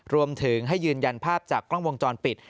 รวมถึงให้ยืนยันภาพจากกล้องวงจรปิด